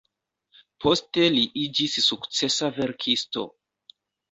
Poste li iĝis sukcesa verkisto.